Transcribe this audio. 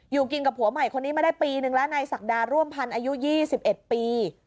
อยู่กินกับผัวใหม่คนนี้มาได้ปีนึงแล้วในศักดาร่วมพันธ์อายุ๒๑ปี